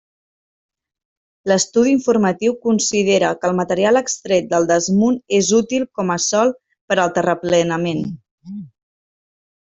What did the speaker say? L'estudi informatiu considera que el material extret del desmunt és útil com a sòl per al terraplenament.